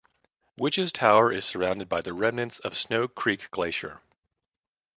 Witches Tower is surrounded by remnants of Snow Creek Glacier.